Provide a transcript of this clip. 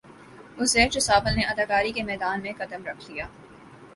عزیر جسوال نے اداکاری کے میدان میں قدم رکھ لیا